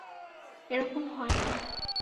এরকম হয় না!